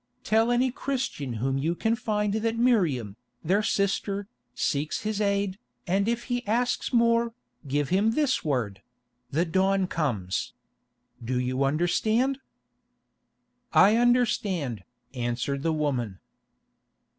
Tell any Christian whom you can find that Miriam, their sister, seeks his aid, and if he asks more, give him this word—'The dawn comes.' Do you understand?" "I understand," answered the woman.